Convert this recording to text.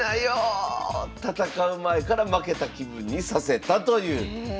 戦う前から負けた気分にさせたという。